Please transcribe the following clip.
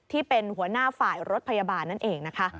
ที่เป็นหัวหน้าฝ่ายรถพยาบาลนั่นเองนะคะ